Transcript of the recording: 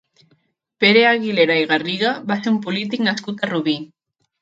Pere Aguilera i Garriga va ser un polític nascut a Rubí.